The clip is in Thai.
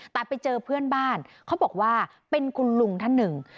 แต่ไปเจอเพื่อนบ้านเขาบอกว่าเป็นคุณลุงท่านหนึ่ง